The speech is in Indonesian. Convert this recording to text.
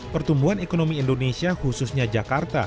pertumbuhan ekonomi indonesia khususnya jakarta